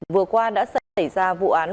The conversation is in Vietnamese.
vừa qua đã xảy ra vụ án